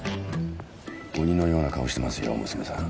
鬼のような顔してますよ娘さん。